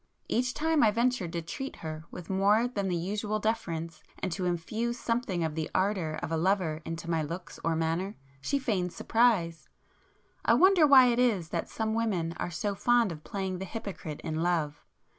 Each time I ventured to treat her with more than the usual deference, and to infuse something of the ardour of a lover into my looks or manner, she feigned surprise. I wonder why it is that some women are so fond of playing the hypocrite in love?